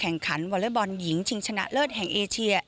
แข่งขันวอเล็กบอลหญิงชิงชนะเลิศแห่งเอเชีย